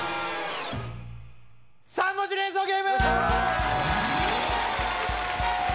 ３文字連想ゲーム